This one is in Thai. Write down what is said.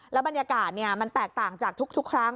บรรยากาศมันแตกต่างจากทุกครั้ง